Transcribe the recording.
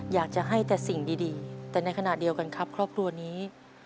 อยากจะให้แต่สิ่งดีแต่ในขณะเดียวกันครับครอบครัวนี้